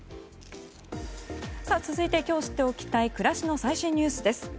続いて、今日知っておきたい暮らしの最新ニュースです。